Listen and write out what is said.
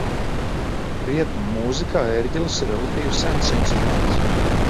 Rietumu mūzikā ērģeles ir relatīvi sens instruments.